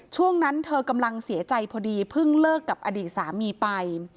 ช่วงนั้นเธอกำลังเสียใจพอดีเพิ่งเลิกกับอดีตสามีไป